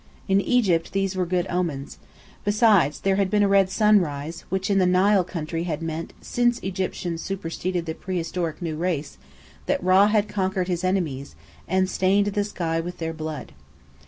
In Egypt these were good omens. Besides, there had been a red sunrise, which in the Nile country had meant, since Egyptians superseded the prehistoric "new race," that Rã had conquered his enemies, and stained the sky with their blood.